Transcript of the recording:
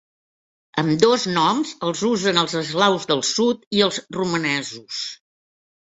Ambdós noms els usen els eslaus del sud i els romanesos.